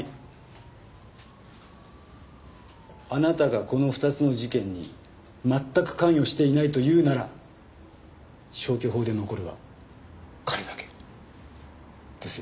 あなたがこの２つの事件に全く関与していないと言うなら消去法で残るは彼だけですよ。